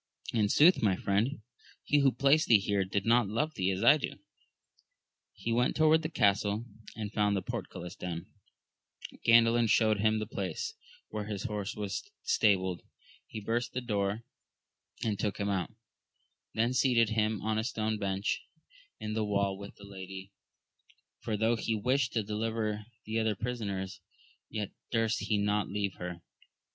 In sooth, my friend, he who placed thee here did not love thee as I do. He went toward the castle, and found the portcullis down. Gandalin shewed him the ^laica where bis horse was stabled , \L^\i\xis^»*OcL^^<^^'^^si^ 120 AMADIS OF GAUL., took him out, then seated himsdf on a stone bench in the wall with the lady, for tho* he wished to deliver the other prisoners, yet durst he not leave her.